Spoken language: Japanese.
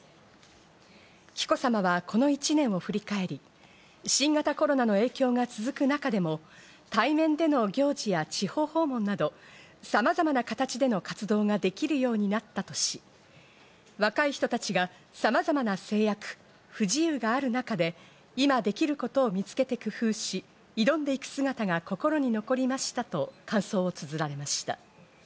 紀子さまはこの１年を振り返り、新型コロナの影響が続く中でも、対面での行事や地方訪問など、さまざまな形での活動ができようになったとし、若い人たちがさまざまな制約、不自由がある中で今できる事を見つけて工夫し、挑んでいく姿が心に残りましたと感想を綴られました。